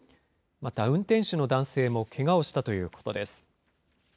また運転手の男性もけがをしたということです。